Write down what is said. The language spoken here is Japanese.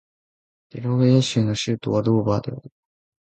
デラウェア州の州都はドーバーである